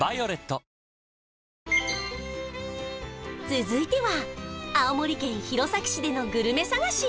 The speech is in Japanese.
続いては青森県弘前市でのグルメ探し